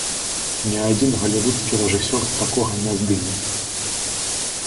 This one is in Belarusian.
Ні адзін галівудскі рэжысёр такога не здыме.